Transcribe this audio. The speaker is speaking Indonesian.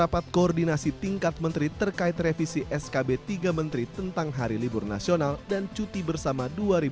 rapat koordinasi tingkat menteri terkait revisi skb tiga menteri tentang hari libur nasional dan cuti bersama dua ribu dua puluh